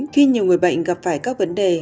khi nhiều người bệnh gặp phải các vấn đề